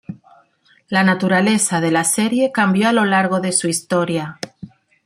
La naturaleza de la serie cambió a lo largo de su historia.